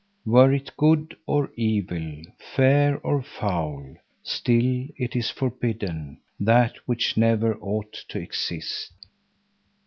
Were it good or evil, fair or foul, still it is forbidden; that which never ought to exist.